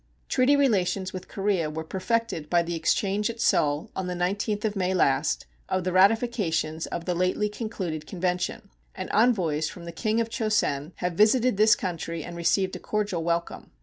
Treaty relations with Korea were perfected by the exchange at Seoul, on the 19th of May last, of the ratifications of the lately concluded convention, and envoys from the King of Chosen have visited this country and received a cordial welcome.